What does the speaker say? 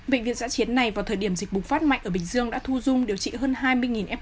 bệnh viện giã chiến này vào thời điểm dịch bùng phát mạnh ở bình dương đã thu dung điều trị hơn hai mươi f